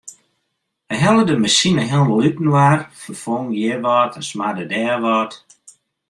Hy helle de masine hielendal útinoar, ferfong hjir wat en smarde dêr wat.